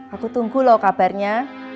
aku tunggu loh kabarnya